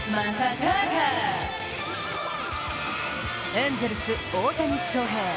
エンゼルス・大谷翔平。